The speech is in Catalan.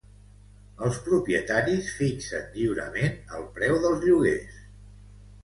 Els propietaris fixen lliurement el preu dels lloguers